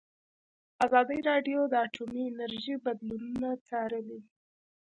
ازادي راډیو د اټومي انرژي بدلونونه څارلي.